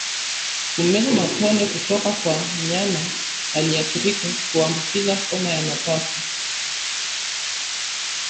Kumeza matone kutoka kwa mnyama aliyeathirika huambukiza homa ya mapafu